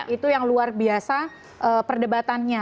itu yang luar biasa perdebatannya